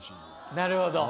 なるほど。